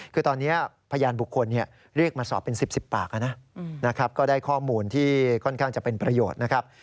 คือตอนนี้พยานบุคคลเรียกมาสอบเป็น๑๐ปากนะครับก็ได้ข้อมูลที่ค่อนข้างจะเป็นประโยชน์นะครับ